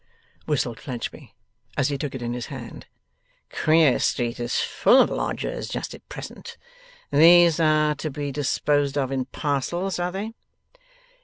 whistled Fledgeby, as he took it in his hand. 'Queer Street is full of lodgers just at present! These are to be disposed of in parcels; are they?